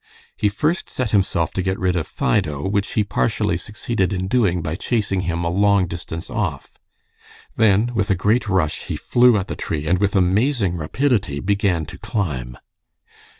He first set himself to get rid of Fido, which he partially succeeded in doing by chasing him a long distance off. Then, with a great rush, he flew at the tree, and with amazing rapidity began to climb.